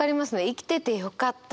「生きてて良かった」。